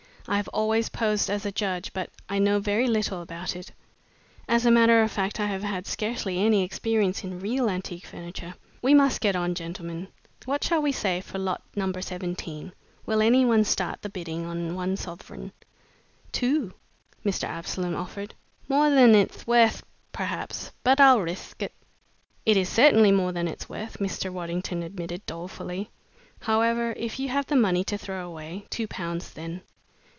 "I have always posed as a judge but I know very little about it. As a matter of fact I have had scarcely any experience in real antique furniture. We must get on, gentlemen. What shall we say for lot number 17? Will any one start the bidding at one sovereign?" "Two!" Mr. Absolom offered. "More than it'th worth, perhaps, but I'll rithk it." "It is certainly more than it's worth," Mr. Waddington admitted, dolefully. "However, if you have the money to throw away two pounds, then."